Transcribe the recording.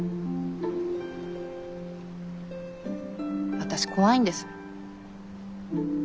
私怖いんです。